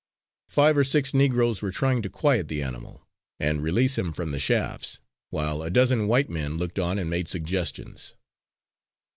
Five or six Negroes were trying to quiet the animal, and release him from the shafts, while a dozen white men looked on and made suggestions.